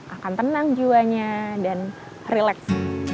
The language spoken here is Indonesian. akan tenang juanya dan rileks